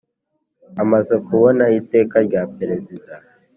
Amaze kubona iteka rya peresida